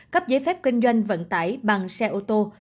cấp giấy phép kinh doanh vận tải bằng xe ô tô